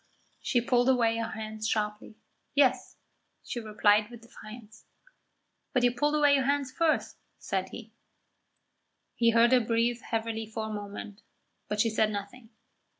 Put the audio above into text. She pulled away her hands sharply. "Yes," she replied with defiance. "But you pulled away your hands first," said he. He heard her breathe heavily for a moment, but she said nothing.